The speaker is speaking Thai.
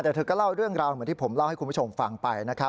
แต่เธอก็เล่าเรื่องราวเหมือนที่ผมเล่าให้คุณผู้ชมฟังไปนะครับ